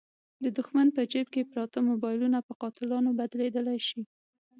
د دوښمن په جیب کې پراته موبایلونه په قاتلانو بدلېدلای شي.